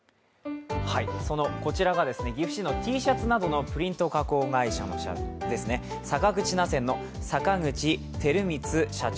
こちらが岐阜市のＴシャツなどのプリント加工会社、坂口捺染の坂口輝光社長